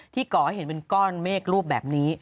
ก่อให้เห็นเป็นก้อนเมฆรูปแบบนี้